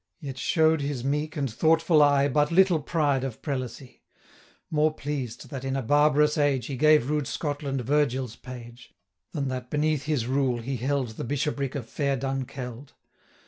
Yet show'd his meek and thoughtful eye 330 But little pride of prelacy; More pleased that, in a barbarous age, He gave rude Scotland Virgil's page, Than that beneath his rule he held The bishopric of fair Dunkeld.